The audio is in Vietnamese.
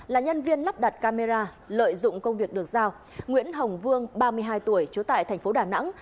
là nhân viên lắp đặt camera lợi dụng công việc được giao nguyễn hồng vương ba mươi hai tuổi trú tại thành phố đà nẵng